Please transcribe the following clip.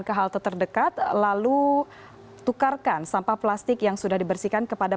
ke halte terdekat lalu tukarkan sampah plastik yang sudah dibersihkan kepada